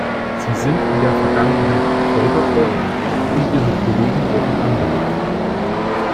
Sie sind in der Vergangenheit gefoltert worden, und ihre Kollegen wurden ermordet.